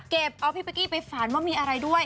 เอาพี่เป๊กกี้ไปฝันว่ามีอะไรด้วย